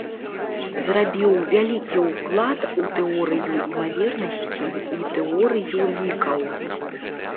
Зрабіў вялікі ўклад у тэорыю імавернасцей і тэорыю лікаў.